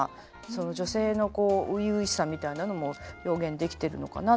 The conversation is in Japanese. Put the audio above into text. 女性のこう初々しさみたいなのも表現できてるのかなと思います。